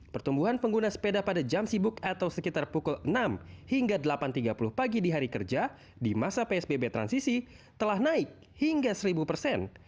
pertumbuhan pengguna sepeda pada jam sibuk atau sekitar pukul enam hingga delapan tiga puluh pagi di hari kerja di masa psbb transisi telah naik hingga seribu persen